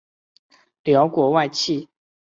辽国外戚。